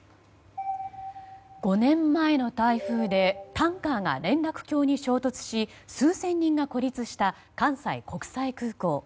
５年前の台風でタンカーが連絡橋に衝突し数千人が孤立した関西国際空港。